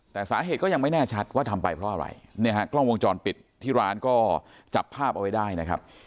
แต่สาเหตุก็ยังไม่แน่ชัดว่าทำไปเพราะอะไรเนี่ยฮะกล้องวงจรปิดที่ร้านก็จับภาพเอาไว้ได้นะครับ